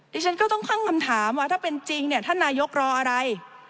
ดิฉันก็ต้องตั้งคำถามว่าถ้าเป็นจริงเนี่ยท่านนายกรออะไร